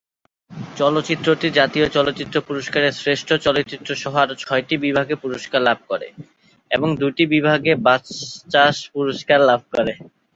চলচ্চিত্রটি জাতীয় চলচ্চিত্র পুরস্কারে শ্রেষ্ঠ চলচ্চিত্রসহ আরও ছয়টি বিভাগে পুরস্কার লাভ করে, এবং দুটি বিভাগে বাচসাস পুরস্কার লাভ করে।